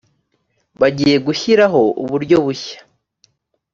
bagiye gushyiraho uburyo bushya.